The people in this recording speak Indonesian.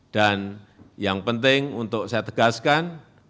dan yang penting untuk saya tegaskan